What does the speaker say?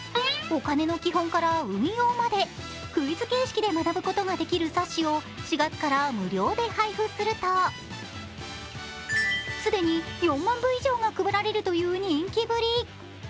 お金の基本から運用までクイズ形式で学ぶことができる冊子を４月から無料で配布すると既に、４万部以上が配られるという人気ぶり。